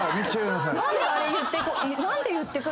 ⁉何であれ言ってくる。